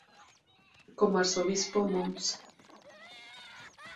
Como Arzobispo, Mons.